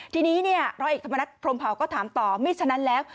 ทีนี้เนี่ยร้อยเอกธรรมนัฐพรมเผาก็ถามต่อไม่ฉะนั้นแล้ว